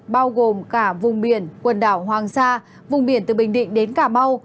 bao gồm cả vùng biển quần đảo hoàng sa vùng biển từ bình định đến cà mau